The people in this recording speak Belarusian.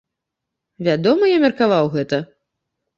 Вядома, я меркаваў гэта.